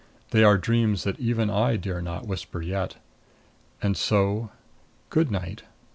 They are dreams that even I dare not whisper yet. And so good night.